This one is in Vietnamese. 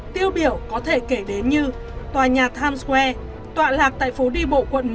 tiêu biểu có thể kể đến như tòa nhà times square tọa lạc tại phố đi bộ quận một